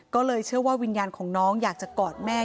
ก็เลยเชื่อว่าวิญญาณของน้องอยากจะกอดแม่